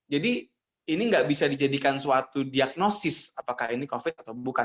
jadi ini nggak bisa dijadikan suatu diagnosis apakah ini covid atau bukan